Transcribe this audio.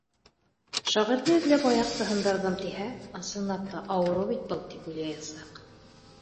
Шағирҙы эҙләп аяҡты һындырҙым тиһә, ысынлап та, ауырыу бит был, тип уйлаясаҡ.